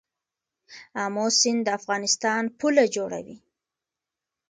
امو سیند د افغانستان پوله جوړوي.